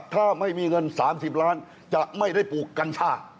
ถ้าไม่มีเงิน๓๐ล้านจะไม่ได้ปลูกกัญชา